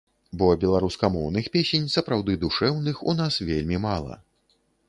Бо беларускамоўных песень, сапраўды душэўных, у нас вельмі мала.